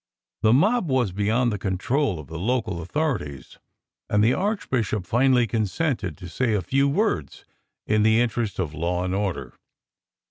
The mob was beyond the control of the local authorities, and the Archbishop finally consented to say a few words in the interest of law and order.